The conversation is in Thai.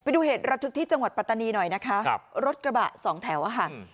ดูเหตุระทึกที่จังหวัดปัตตานีหน่อยนะคะครับรถกระบะสองแถวอะค่ะ